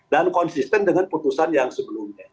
dan konsisten dengan putusan yang sebelumnya